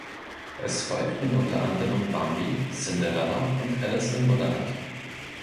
Es folgten unter anderem "Bambi", "Cinderella" und "Alice im Wunderland".